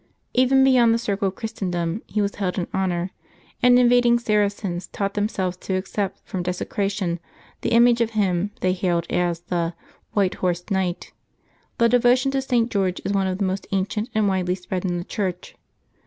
Even beyond the circle of Christendom he was held in honor, and invading Sara cens taught themselves to except from desecration the image of him they hailed as the "White horsed Knight." The derotion to St. George is one of the most ancient and widely spread in the Church.